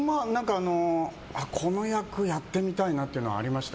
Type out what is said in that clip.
この役やってみたいなというのはありました。